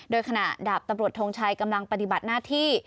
โดยขณะดาบตำรวจทงชัยกำลังปฏิบัติหน้าที่